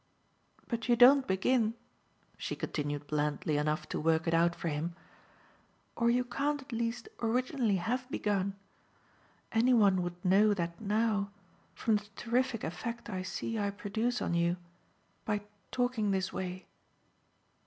But you don't begin" she continued blandly enough to work it out for him; "or you can't at least originally have begun. Any one would know that now from the terrific effect I see I produce on you by talking this way.